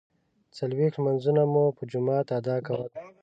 څلویښت لمانځونه مو په جماعت ادا کول.